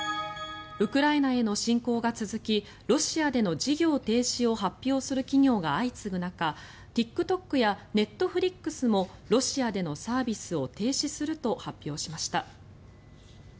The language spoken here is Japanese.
ウクライナへの侵攻が続きロシアでの事業停止を発表する企業が相次ぐ中ＴｉｋＴｏｋやネットフリックスもロシアでのサービスを停止すると発表しました。